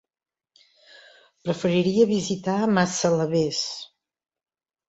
Preferiria visitar Massalavés.